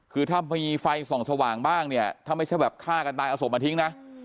คือถ้ามีไฟส่องสว่างบ้างเนี่ยถ้าไม่ใช่แบบฆ่ากันตายเอาศพมาทิ้งนะ